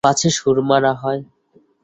পাছে সুরমা না হয়।